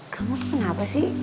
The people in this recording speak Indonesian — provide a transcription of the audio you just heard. kamu kenapa sih